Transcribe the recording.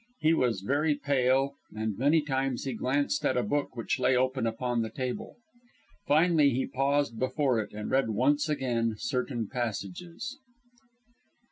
He was very pale, and many times he glanced at a book which lay open upon the table. Finally he paused before it and read once again certain passages.